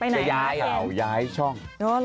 จะย้ายข่าวย้ายช่อง